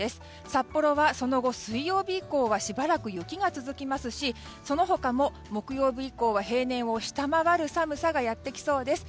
札幌はその後、水曜日以降はしばらく雪が続きますしその他も、木曜日以降は平年を下回る寒さがやってきそうです。